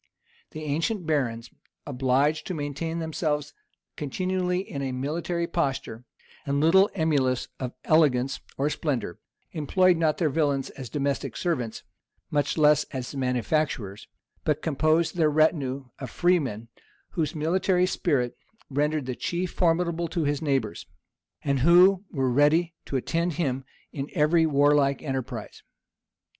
The ancient barons, obliged to maintain themselves continually in a military posture, and little emulous of elegance or splendor, employed not their villains as domestic servants, much less as manufacturers; but composed their retinue of freemen, whose military spirit rendered the chieftain formidable to his neighbors, and who were ready to attend him in every warlike enterprise.